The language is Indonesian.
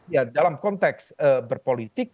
ya dalam konteks berpolitik